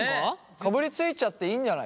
かぶりついちゃっていいんじゃない？